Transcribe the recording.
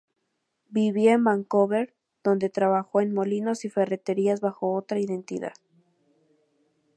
Vivía en Vancouver donde trabajó en molinos y ferreterías bajo otra identidad.